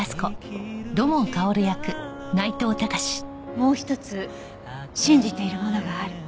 もう一つ信じているものがある。